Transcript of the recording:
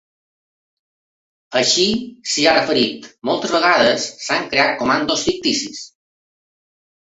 Així s’hi ha referit: Moltes vegades s’han creat comandos ficticis.